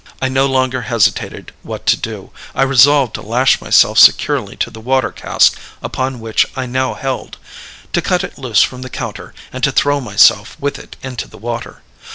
"I no longer hesitated what to do. I resolved to lash myself securely to the water cask upon which I now held, to cut it loose from the counter, and to throw myself with it into the water.